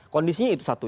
kondisinya itu satu